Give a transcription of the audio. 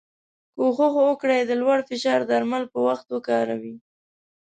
کوښښ وکړی د لوړ فشار درمل په وخت وکاروی.